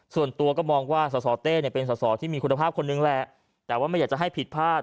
ส่วนตัวก็มองว่าสสเต้เนี่ยเป็นสอสอที่มีคุณภาพคนนึงแหละแต่ว่าไม่อยากจะให้ผิดพลาด